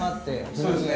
そうですね。